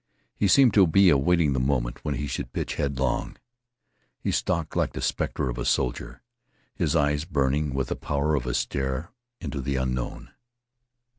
He seemed to be awaiting the moment when he should pitch headlong. He stalked like the specter of a soldier, his eyes burning with the power of a stare into the unknown.